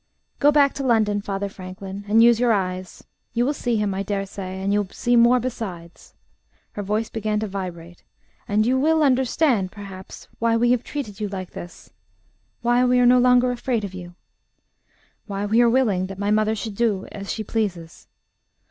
"Go back to London, Father Franklin, and use your eyes. You will see him, I dare say, and you will see more besides." (Her voice began to vibrate.) "And you will understand, perhaps, why we have treated you like this why we are no longer afraid of you why we are willing that my mother should do as she pleases.